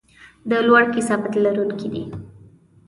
د لوړ کثافت لرونکي دي.